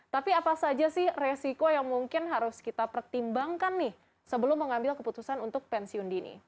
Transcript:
tapi apa saja sih resiko yang mungkin harus kita pertimbangkan nih sebelum mengambil keputusan untuk pensiun dini